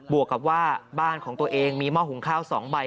วกกับว่าบ้านของตัวเองมีหม้อหุงข้าว๒ใบ